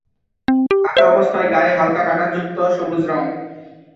কাঁচা অবস্থায় গায়ে হালকা কাঁটা যুক্ত সবুজ রং।